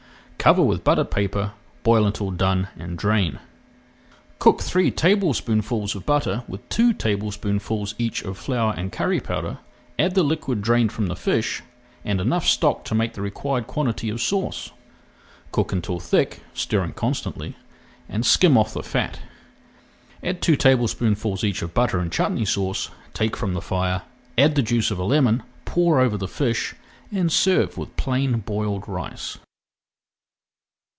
Cover with buttered paper, boil until done and drain. Cook three tablespoonfuls of butter with two tablespoonfuls each of flour and curry powder, add the liquid drained from the fish, and enough stock to make the required quantity of sauce. Cook until thick, stirring constantly, and skim off the fat. Add two tablespoonfuls each of butter and chutney sauce, take from the fire, add the juice of a lemon, pour over the fish, and serve with plain boiled rice.